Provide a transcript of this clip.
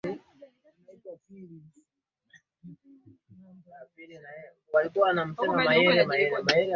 Jacob aliwaambia hana nia mbaya na wao alichotaka ni kujibiwa maswali yake